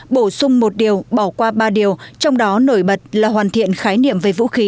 bổ sung một điều bỏ qua ba điều trong đó nổi bật là hoàn thiện khái niệm về vũ khí